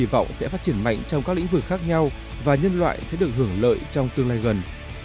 hy vọng sẽ phát triển mạnh trong các lĩnh vực khác nhau và nhân loại sẽ được hưởng lợi trong tương lai gần